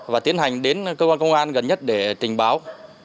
và tiến hành đến công an gần nhất để trình báo